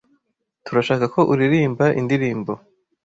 Turashaka ko uririmba indirimbo.